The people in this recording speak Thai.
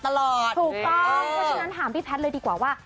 เพราะฉะนั้นถามพี่แพทย์เลยดีกว่าว่า